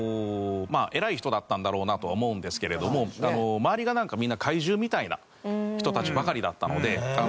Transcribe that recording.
偉い人だったんだろうなとは思うんですけれども周りがみんな怪獣みたいな人たちばかりだったので。